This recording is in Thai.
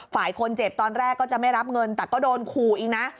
ฝ่ายคนเจ็บตอนแรกก็จะไม่รับเงินแต่ก็โดนขู่อีกนะ